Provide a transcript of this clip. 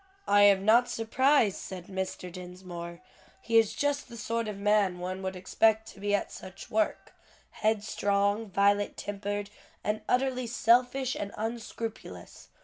"I am not surprised," said Mr. Dinsmore, "he is just the sort of man one would expect to be at such work, headstrong, violent tempered, and utterly selfish and unscrupulous.